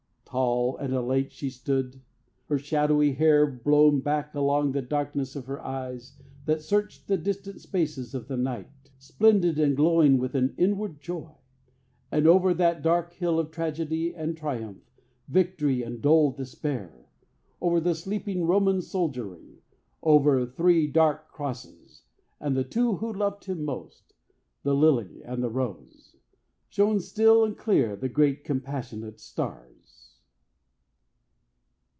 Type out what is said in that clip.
Tall and elate she stood, her shadowy hair Blown back along the darkness and her eyes That searched the distant spaces of the night Splendid and glowing with an inward joy. And over that dark hill of tragedy And triumph, victory and dull despair, Over the sleeping Roman soldiery, Over the three stark crosses and the two Who loved Him most, the lily and the rose, Shone still and clear the great compassionate stars.